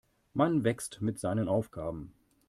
Man wächst mit seinen Aufgaben.